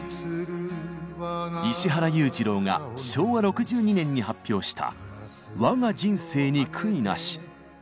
石原裕次郎が昭和６２年に発表した「わが人生に悔いなし」。